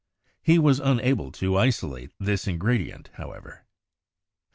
He was unable to isolate this ingredient, however.